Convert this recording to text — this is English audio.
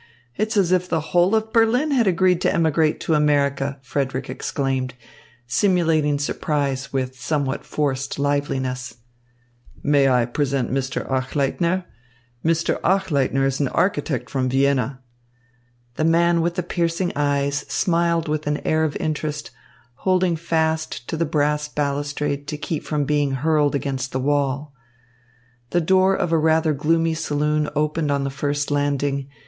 It's as if the whole of Berlin had agreed to emigrate to America!" Frederick exclaimed, simulating surprise with somewhat forced liveliness. "May I present Mr. Achleitner? Mr. Achleitner is an architect from Vienna." The man with the piercing eyes smiled with an air of interest, holding fast to the brass balustrade to keep from being hurled against the wall. The door of a rather gloomy saloon opened on the first landing.